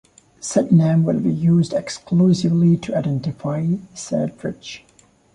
Said name will be used exclusively to identify said bridge.